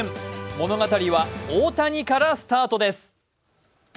物語は大谷からスタートです。